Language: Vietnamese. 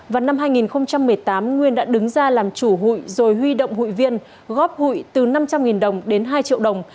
vào năm hai nghìn một mươi tám nguyên đã đứng ra làm chủ hụi rồi huy động hội viên góp hụi từ năm trăm linh đồng đến hai triệu đồng